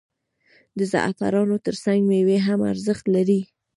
د زعفرانو ترڅنګ میوې هم ارزښت لري.